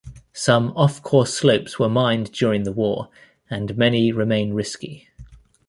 Some off-course slopes were mined during the war and many remain risky.